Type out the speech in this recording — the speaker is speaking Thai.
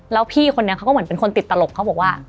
แล้วพี่คนนี้เขาก็เหมือนเป็นคนติดตลกเขาบอกว่า